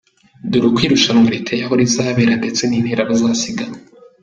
Dore uko irushanwa riteye aho rizabera, ndetse nintera bazasiganwa :